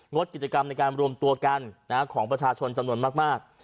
ดกิจกรรมในการรวมตัวกันของประชาชนจำนวนมาก